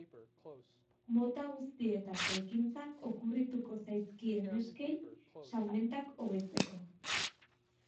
Mota guztietako ekintzak okurrituko zaizkie neskei salmentak hobetzeko.